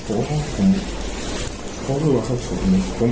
โอ้พ่อผมพ่อรู้ว่าเขาฉุดมึง